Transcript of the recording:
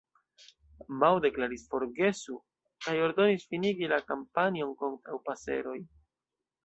Mao deklaris "forgesu", kaj ordonis finigi la kampanjon kontraŭ paseroj.